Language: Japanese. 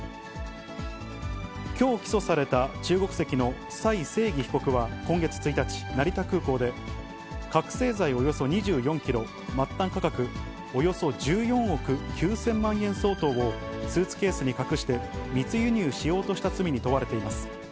きょう起訴された、中国籍の蔡せいぎ被告は今月１日、成田空港で、覚醒剤およそ２４キロ、末端価格およそ１４億９０００万円相当をスーツケースに隠して密輸入しようとした罪に問われています。